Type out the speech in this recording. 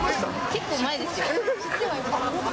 結構前ですよ。